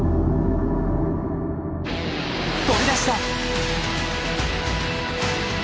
飛び出した！